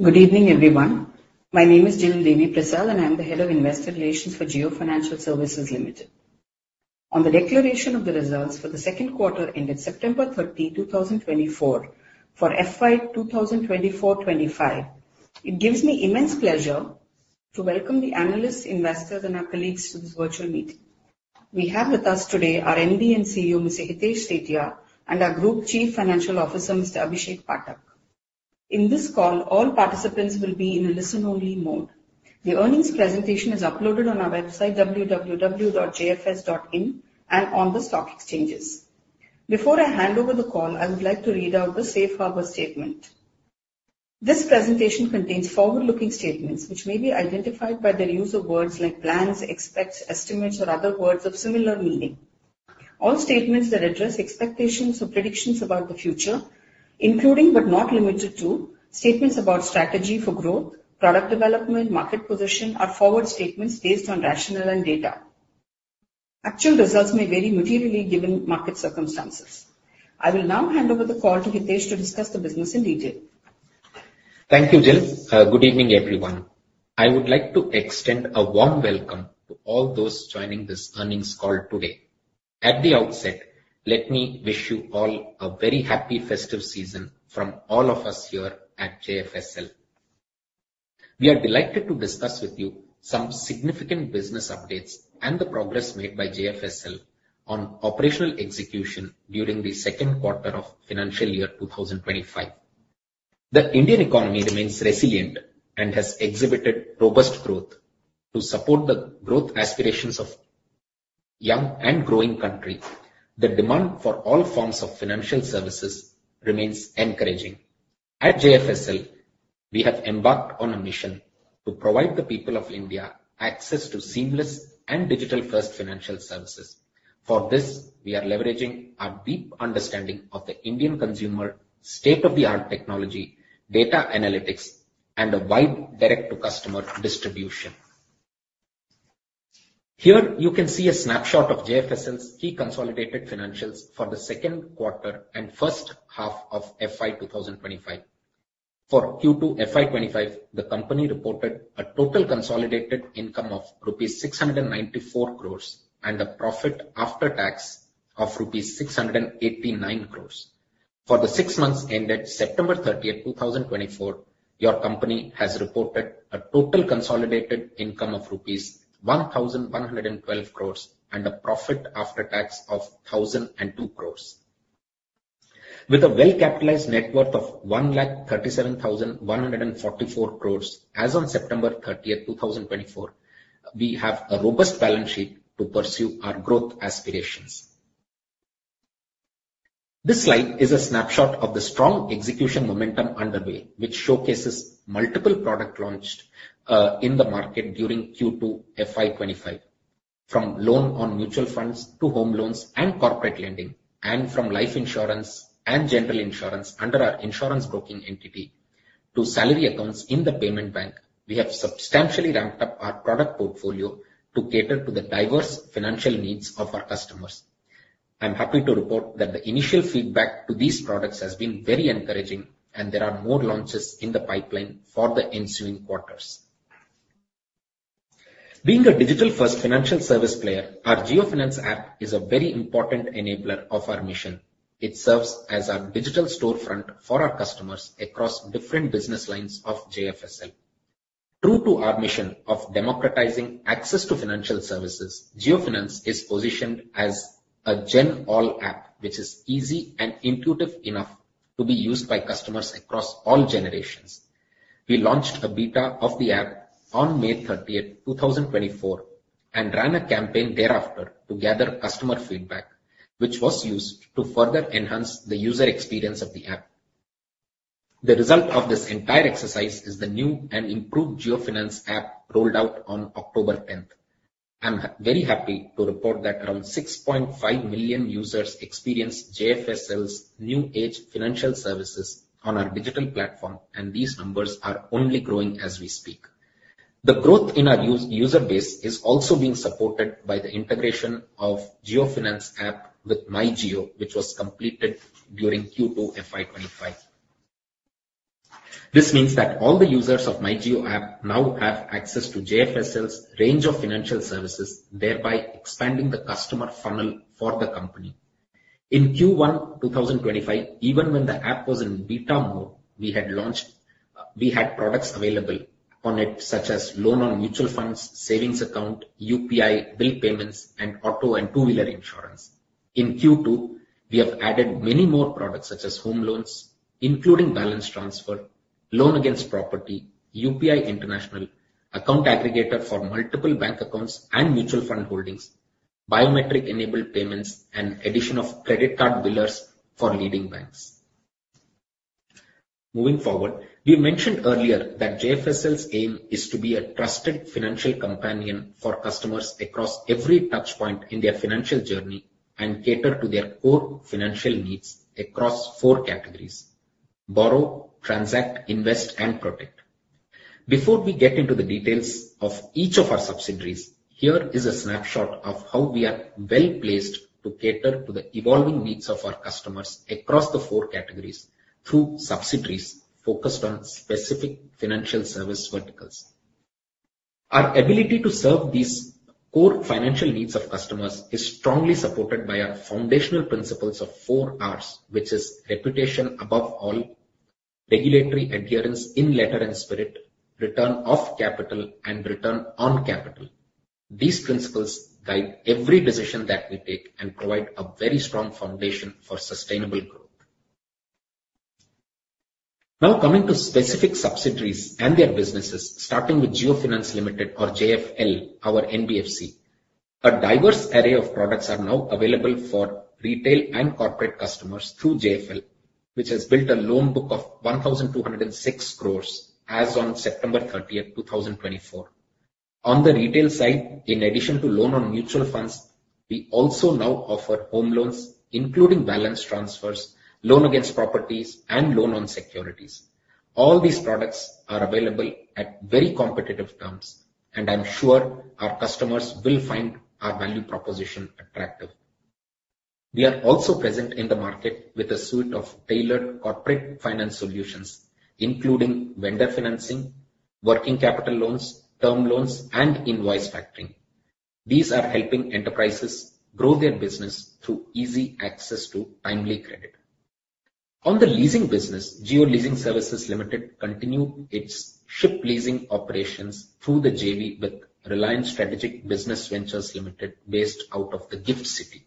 Good evening, everyone. My name is Jill Deviprasad, and I'm the Head of Investor Relations for Jio Financial Services Limited. On the declaration of the results for the second quarter, ended September 30, 2024 for FY 2024/2025, it gives me immense pleasure to welcome the analysts, investors, and our colleagues to this virtual meeting. We have with us today our MD & CEO, Mr. Hitesh Sethia, and our Group Chief Financial Officer, Mr. Abhishek Pathak. In this call, all participants will be in a listen-only mode. The earnings presentation is uploaded on our website, www.jfs.in, and on the stock exchanges. Before I hand over the call, I would like to read out the safe harbor statement. This presentation contains forward-looking statements, which may be identified by their use of words like plans, expects, estimates, or other words of similar meaning. All statements that address expectations or predictions about the future, including but not limited to, statements about strategy for growth, product development, market position, are forward statements based on rationale and data. Actual results may vary materially given market circumstances. I will now hand over the call to Hitesh to discuss the business in detail. Thank you, Jill. Good evening, everyone. I would like to extend a warm welcome to all those joining this earnings call today. At the outset, let me wish you all a very happy festive season from all of us here at JFSL. We are delighted to discuss with you some significant business updates and the progress made by JFSL on operational execution during the second quarter of financial year 2025. The Indian economy remains resilient and has exhibited robust growth. To support the growth aspirations of young and growing country, the demand for all forms of financial services remains encouraging. At JFSL, we have embarked on a mission to provide the people of India access to seamless and digital-first financial services. For this, we are leveraging a deep understanding of the Indian consumer, state-of-the-art technology, data analytics, and a wide direct-to-customer distribution. Here you can see a snapshot of JFSL's key consolidated financials for the second quarter and first half of FY 2025. For Q2 FY 2025, the company reported a total consolidated income of rupees 694 crores, and a profit after tax of rupees 689 crores. For the six months ended September 30th, 2024, your company has reported a total consolidated income of rupees 1,112 crores, and a profit after tax of 1,002 crores. With a well-capitalized net worth of 1 lakh, 37,144 crores as on September 30th, 2024, we have a robust balance sheet to pursue our growth aspirations. This slide is a snapshot of the strong execution momentum underway, which showcases multiple product launched in the market during Q2 FY 2025. From loan on mutual funds to home loans and corporate lending, and from life insurance and general insurance under our insurance broking entity, to salary accounts in the payment bank, we have substantially ramped up our product portfolio to cater to the diverse financial needs of our customers. I'm happy to report that the initial feedback to these products has been very encouraging, and there are more launches in the pipeline for the ensuing quarters. Being a digital-first financial service player, our JioFinance app is a very important enabler of our mission. It serves as our digital storefront for our customers across different business lines of JFSL. True to our mission of democratizing access to financial services, JioFinance is positioned as a generational app, which is easy and intuitive enough to be used by customers across all generations. We launched a beta of the app on May 30th 2024 and ran a campaign thereafter to gather customer feedback, which was used to further enhance the user experience of the app. The result of this entire exercise is the new and improved JioFinance app, rolled out on October 10th. I'm very happy to report that around 6.5 million users experienced JFSL's new age financial services on our digital platform, and these numbers are only growing as we speak. The growth in our user base is also being supported by the integration of JioFinance app with MyJio, which was completed during Q2 FY 2025. This means that all the users of MyJio app now have access to JFSL's range of financial services, thereby expanding the customer funnel for the company. In Q1 2025, even when the app was in beta mode, we had launched, we had products available on it, such as loan on mutual funds, savings account, UPI, bill payments, and auto and two-wheeler insurance. In Q2, we have added many more products, such as home loans, including balance transfer, loan against property, UPI International, account aggregator for multiple bank accounts and mutual fund holdings, biometric-enabled payments, and addition of credit card billers for leading banks. Moving forward, we mentioned earlier that JFSL's aim is to be a trusted financial companion for customers across every touch point in their financial journey and cater to their core financial needs across four categories: borrow, transact, invest, and protect. Before we get into the details of each of our subsidiaries, here is a snapshot of how we are well-placed to cater to the evolving needs of our customers across the four categories, through subsidiaries focused on specific financial service verticals. Our ability to serve these core financial needs of customers is strongly supported by our foundational principles of four Rs, which is reputation above all, regulatory adherence in letter and spirit, return of capital, and return on capital. These principles guide every decision that we take and provide a very strong foundation for sustainable growth. Now, coming to specific subsidiaries and their businesses, starting with Jio Finance Limited, or JFL, our NBFC. A diverse array of products are now available for retail and corporate customers through JFL, which has built a loan book of 1,206 crores as on September 30th, 2024. On the retail side, in addition to loan on mutual funds, we also now offer home loans, including balance transfers, loan against properties, and loan on securities. All these products are available at very competitive terms, and I'm sure our customers will find our value proposition attractive. We are also present in the market with a suite of tailored corporate finance solutions, including vendor financing, working capital loans, term loans, and invoice factoring. These are helping enterprises grow their business through easy access to timely credit. On the leasing business, Jio Leasing Services Limited continue its ship leasing operations through the JV with Reliance Strategic Business Ventures Limited, based out of the GIFT City.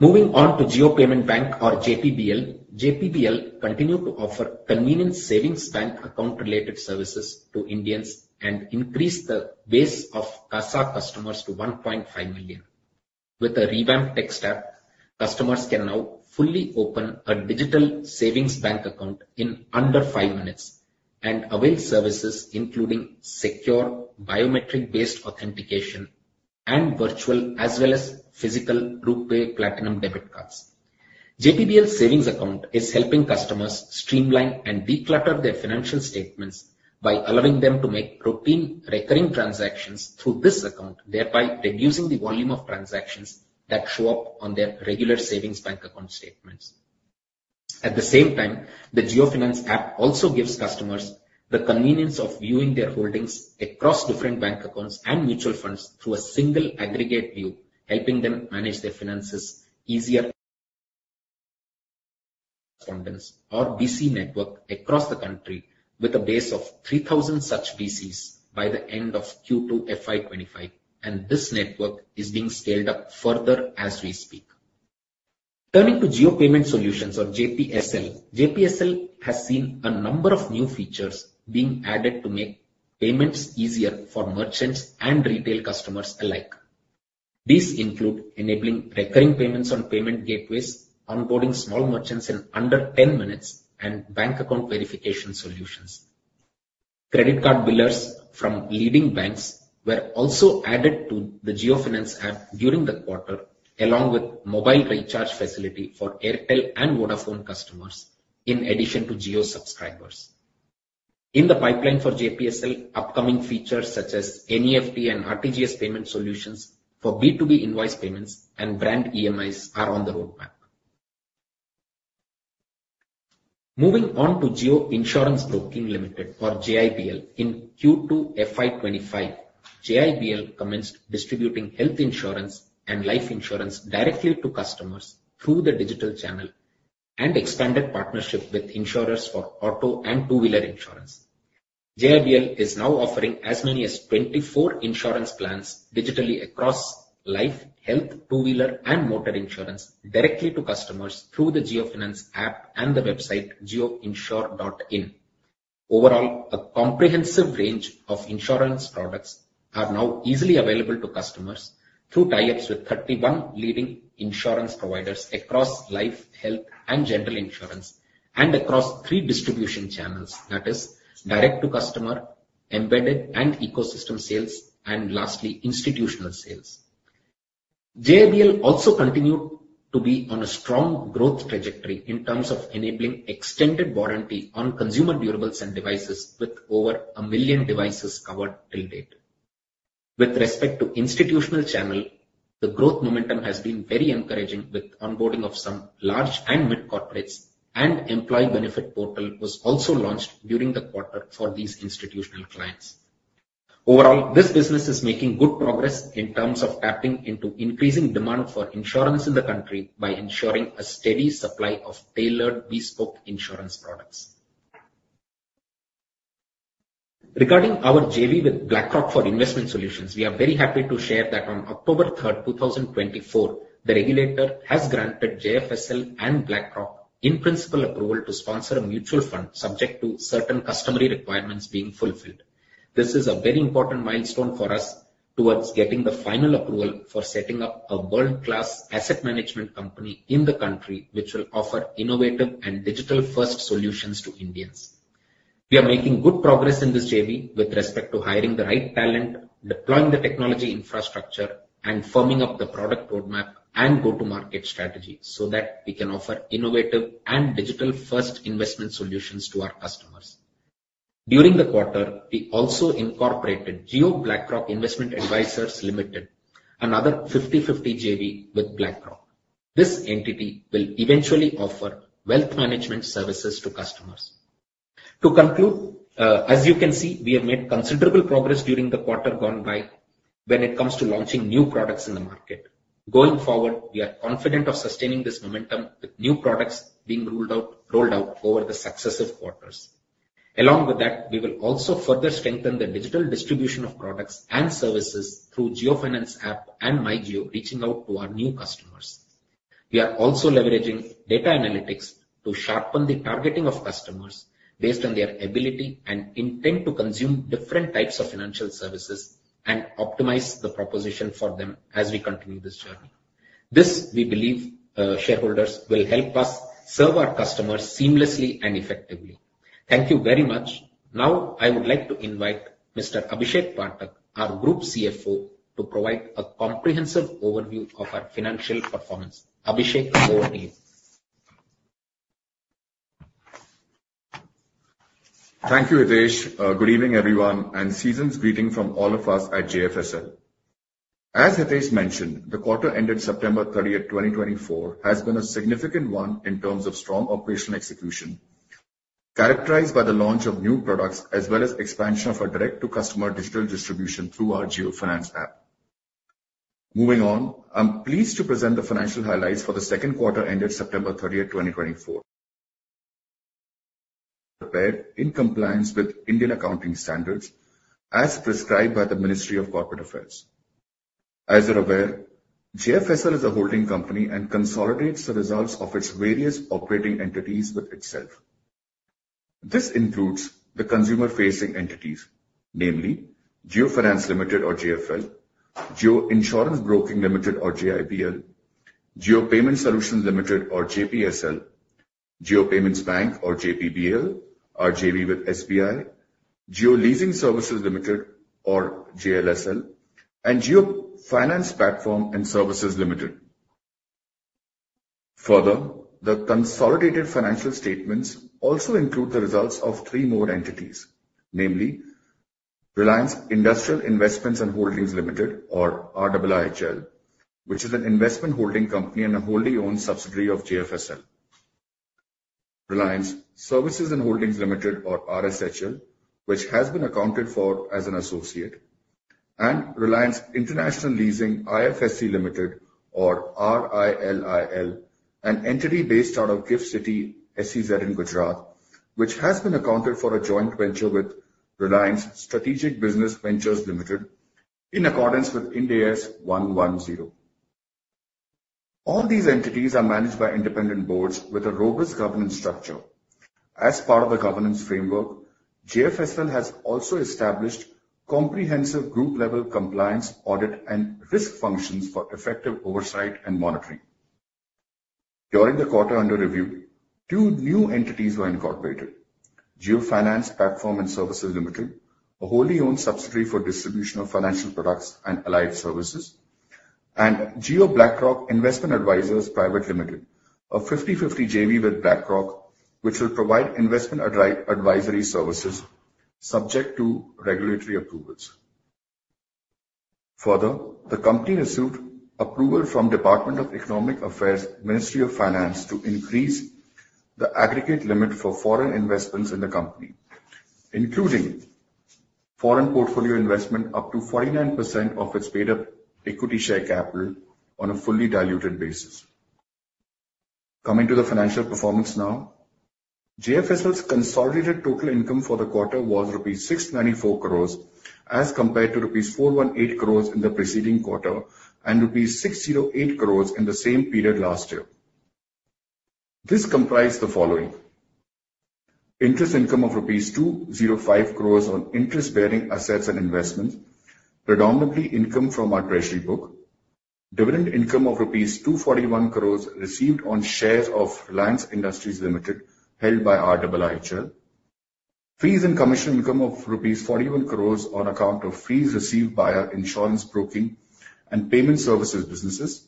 Moving on to Jio Payments Bank, or JPBL. JPBL continue to offer convenient savings bank account-related services to Indians and increase the base of CASA customers to 1.5 million. With a revamped tech stack, customers can now fully open a digital savings bank account in under five minutes and avail services, including secure biometric-based authentication and virtual, as well as physical RuPay Platinum debit cards. JPBL savings account is helping customers streamline and declutter their financial statements by allowing them to make routine recurring transactions through this account, thereby reducing the volume of transactions that show up on their regular savings bank account statements. At the same time, the JioFinance app also gives customers the convenience of viewing their holdings across different bank accounts and mutual funds through a single aggregate view, helping them manage their finances easier. Business Correspondent or BC network across the country, with a base of 3,000 such BCs by the end of Q2 FY 2025, and this network is being scaled up further as we speak. Turning to Jio Payment Solutions or JPSL. JPSL has seen a number of new features being added to make payments easier for merchants and retail customers alike. These include enabling recurring payments on payment gateways, onboarding small merchants in under 10 minutes, and bank account verification solutions. Credit card billers from leading banks were also added to the JioFinance app during the quarter, along with mobile recharge facility for Airtel and Vodafone customers, in addition to Jio subscribers. In the pipeline for JPSL, upcoming features such as NEFT and RTGS payment solutions for B2B invoice payments and brand EMIs are on the roadmap. Moving on to Jio Insurance Broking Limited, or JIBL. In Q2 FY 2025, JIBL commenced distributing health insurance and life insurance directly to customers through the digital channel and expanded partnership with insurers for auto and two-wheeler insurance. JIBL is now offering as many as 24 insurance plans digitally across life, health, two-wheeler, and motor insurance directly to customers through the JioFinance app and the website jioinsure.in. Overall, a comprehensive range of insurance products are now easily available to customers through tie-ups with 31 leading insurance providers across life, health, and general insurance, and across three distribution channels. That is, direct to customer, embedded and ecosystem sales, and lastly, institutional sales. JIBL also continued to be on a strong growth trajectory in terms of enabling extended warranty on consumer durables and devices with over a million devices covered till date. With respect to institutional channel, the growth momentum has been very encouraging with onboarding of some large and mid corporates, and employee benefit portal was also launched during the quarter for these institutional clients. Overall, this business is making good progress in terms of tapping into increasing demand for insurance in the country by ensuring a steady supply of tailored, bespoke insurance products. Regarding our JV with BlackRock for investment solutions, we are very happy to share that on October 3rd 2024, the regulator has granted JFSL and BlackRock in-principle approval to sponsor a mutual fund, subject to certain customary requirements being fulfilled. This is a very important milestone for us towards getting the final approval for setting up a world-class asset management company in the country, which will offer innovative and digital-first solutions to Indians. We are making good progress in this JV with respect to hiring the right talent, deploying the technology infrastructure, and firming up the product roadmap and go-to-market strategy, so that we can offer innovative and digital-first investment solutions to our customers. During the quarter, we also incorporated Jio BlackRock Investment Advisors Private Limited, another 50/50 JV with BlackRock. This entity will eventually offer wealth management services to customers. To conclude, as you can see, we have made considerable progress during the quarter gone by when it comes to launching new products in the market. Going forward, we are confident of sustaining this momentum with new products being rolled out over the successive quarters. Along with that, we will also further strengthen the digital distribution of products and services through JioFinance App and MyJio, reaching out to our new customers. We are also leveraging data analytics to sharpen the targeting of customers based on their ability and intent to consume different types of financial services and optimize the proposition for them as we continue this journey. This, we believe, shareholders, will help us serve our customers seamlessly and effectively. Thank you very much. Now, I would like to invite Mr. Abhishek Pathak, our Group CFO, to provide a comprehensive overview of our financial performance. Abhishek, over to you. Thank you, Hitesh. Good evening, everyone, and season's greetings from all of us at JFSL. As Hitesh mentioned, the quarter ended September thirtieth, 2024, has been a significant one in terms of strong operational execution, characterized by the launch of new products as well as expansion of our direct-to-customer digital distribution through our JioFinance app. Moving on, I'm pleased to present the financial highlights for the second quarter ended September 30th, 2024, prepared in compliance with Indian accounting standards as prescribed by the Ministry of Corporate Affairs. As you're aware, JFSL is a holding company and consolidates the results of its various operating entities with itself. This includes the consumer-facing entities, namely Jio Finance Limited or JFL, Jio Insurance Broking Limited or JIBL, Jio Payment Solutions Limited or JPSL, Jio Payments Bank or JPBL, our JV with SBI, Jio Leasing Services Limited or JLSL, and Jio Finance Platform and Services Limited. Further, the consolidated financial statements also include the results of three more entities, namely Reliance Industrial Investments and Holdings Limited or RIIHL, which is an investment holding company and a wholly-owned subsidiary of JFSL, Reliance Services and Holdings Limited or RSHL, which has been accounted for as an associate, and Reliance International Leasing IFSC Limited or RILIL, an entity based out of GIFT City, SEZ in Gujarat, which has been accounted for as a joint venture with Reliance Strategic Business Ventures Limited in accordance with Ind AS 110. All these entities are managed by independent boards with a robust governance structure. As part of the governance framework, JFSL has also established comprehensive group-level compliance, audit, and risk functions for effective oversight and monitoring. During the quarter under review, two new entities were incorporated: Jio Finance Platform and Services Limited, a wholly owned subsidiary for distribution of financial products and allied services, and Jio BlackRock Investment Advisors Private Limited, a 50/50 JV with BlackRock, which will provide investment advisory services subject to regulatory approvals. Further, the company received approval from Department of Economic Affairs, Ministry of Finance, to increase the aggregate limit for foreign investments in the company, including foreign portfolio investment up to 49% of its paid-up equity share capital on a fully diluted basis. Coming to the financial performance now. JFSL's consolidated total income for the quarter was rupees 694 crores, as compared to rupees 418 crores in the preceding quarter and rupees 608 crores in the same period last year. This comprised the following: interest income of rupees 205 crores on interest-bearing assets and investments, predominantly income from our treasury book. Dividend income of rupees 241 crores received on shares of Reliance Industries Limited, held by RIIHL. Fees and commission income of 41 crores rupees on account of fees received by our insurance broking and payment services businesses.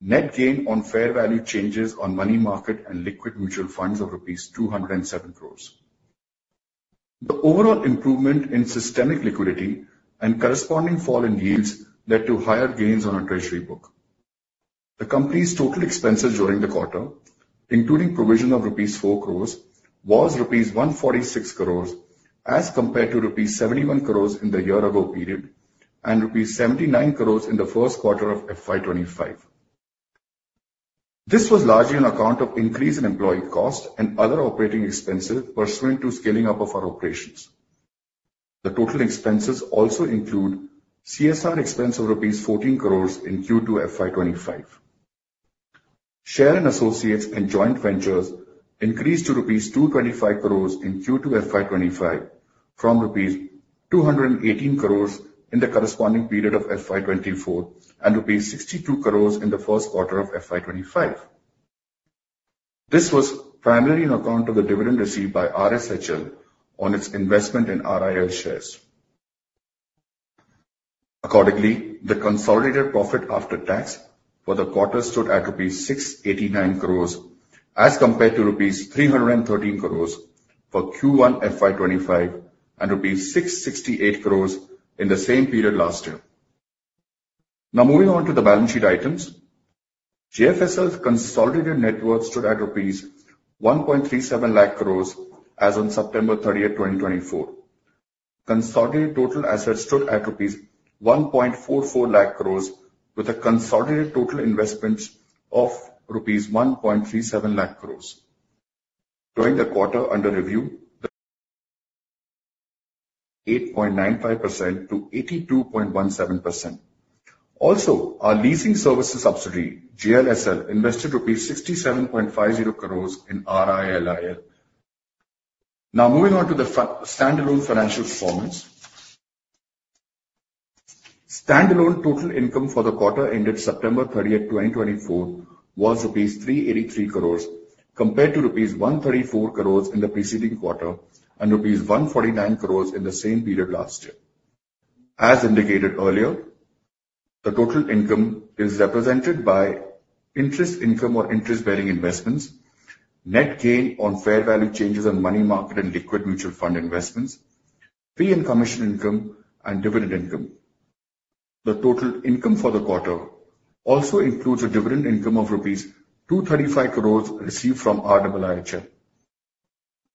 Net gain on fair value changes on money market and liquid mutual funds of rupees 207 crores. The overall improvement in systemic liquidity and corresponding fall in yields led to higher gains on our treasury book. The company's total expenses during the quarter, including provision of rupees 4 crores, was rupees 146 crores as compared to rupees 71 crores in the year ago period and rupees 79 crores in the first quarter of FY 2025. This was largely on account of increase in employee cost and other operating expenses pursuant to scaling up of our operations. The total expenses also include CSR expense of INR 14 crores in Q2 FY 2025. Share in associates and joint ventures increased to rupees 225 crores in Q2 FY 2025, from rupees 218 crores in the corresponding period of FY 2024, and rupees 62 crores in the first quarter of FY 2025. This was primarily on account of the dividend received by RSHL on its investment in RIL shares. Accordingly, the consolidated profit after tax for the quarter stood at rupees 689 crores, as compared to rupees 313 crores for Q1 FY 2025, and rupees 668 crores in the same period last year. Now moving on to the balance sheet items. JFSL's consolidated net worth stood at rupees 1.37 lakh crores as on September 30th, 2024. Consolidated total assets stood at rupees 1.44 lakh crores, with a consolidated total investments of rupees 1.37 lakh crores. During the quarter under review, the 8.95% to 82.17%. Also, our leasing services subsidiary, JLSL, invested INR 67.50 crores in RILIL. Now moving on to the standalone financial performance. Standalone total income for the quarter ended September 30th, 2024, was rupees 383 crores, compared to rupees 134 crores in the preceding quarter, and rupees 149 crores in the same period last year. As indicated earlier, the total income is represented by interest income or interest-bearing investments, net gain on fair value changes on money market and liquid mutual fund investments, fee and commission income, and dividend income. The total income for the quarter also includes a dividend income of INR 235 crores received from RIIHL.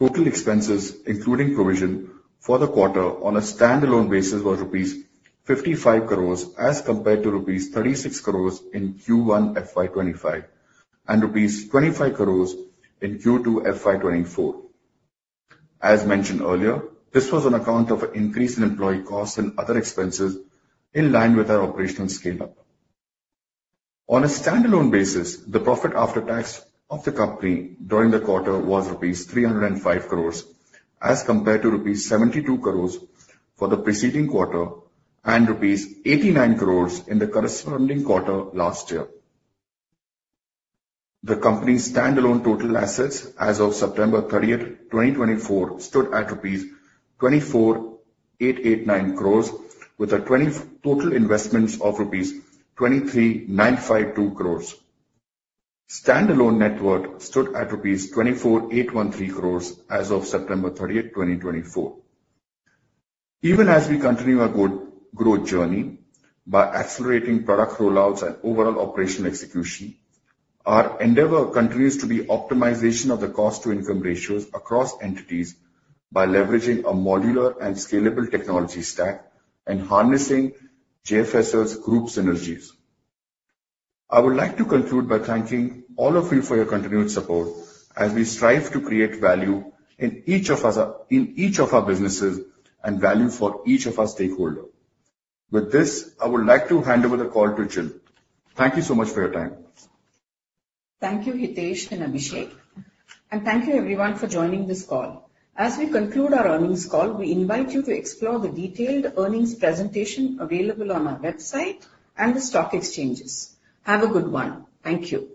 Total expenses, including provision for the quarter on a standalone basis, was rupees 55 crores, as compared to rupees 36 crores in Q1 FY 2025, and rupees 25 crores in Q2 FY 2024. As mentioned earlier, this was on account of an increase in employee costs and other expenses in line with our operational scale-up. On a standalone basis, the profit after tax of the company during the quarter was rupees 305 crores, as compared to rupees 72 crores for the preceding quarter and rupees 89 crores in the corresponding quarter last year. The company's standalone total assets as of September 30th, 2024, stood at INR 24,889 crores, with total investments of rupees 23,952 crores. Standalone net worth stood at rupees 24,813 crores as of September 30th, 2024. Even as we continue our good growth journey by accelerating product rollouts and overall operational execution, our endeavor continues to be optimization of the cost-to-income ratios across entities by leveraging a modular and scalable technology stack and harnessing JFSL's group synergies. I would like to conclude by thanking all of you for your continued support as we strive to create value in each of us, in each of our businesses, and value for each of our stakeholder. With this, I would like to hand over the call to Jill. Thank you so much for your time. Thank you, Hitesh and Abhishek, and thank you everyone for joining this call. As we conclude our earnings call, we invite you to explore the detailed earnings presentation available on our website and the stock exchanges. Have a good one. Thank you.